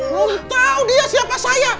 kamu tau dia siapa saya